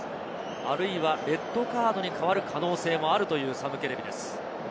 あるいはレッドカードに変わる可能性もあるというサム・ケレビです。